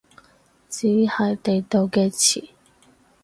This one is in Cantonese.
只係地道嘅詞